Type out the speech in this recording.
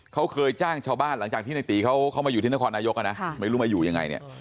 เขาเคยจ้างชาวบ้านหลังจากที่ในตีเขามาอยู่ที่นครนายกไม่รู้มาอยู่ยังไงเนี่ย